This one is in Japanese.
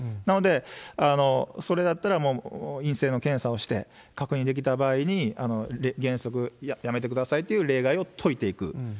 なので、それだったらもう陰性の検査をして、確認できた場合に原則やめてくださいという例外を解いていく。